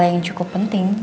hal yang cukup penting